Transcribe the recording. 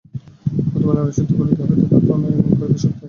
প্রথমে নাড়ীশুদ্ধি করিতে হয়, তবেই প্রাণায়াম করিবার শক্তি আসে।